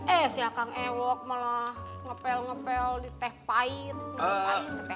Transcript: eh si akang ewok malah ngepel ngepel di teh pahit